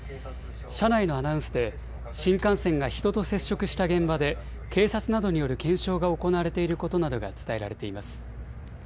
車内のアナウンスで、新幹線が人と接触した現場で、警察などによる検証が行われていることなどが伝えられています。